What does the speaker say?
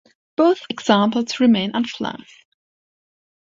Both examples remained unflown.